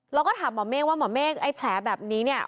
เราก็ถามหมอเมฆว่าหมอเมฆไอ้แผลแบบนี้เนี่ย